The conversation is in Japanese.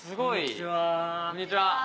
こんにちは。